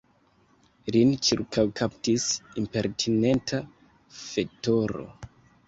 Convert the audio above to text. Lin ĉirkaŭkaptis impertinenta fetoro.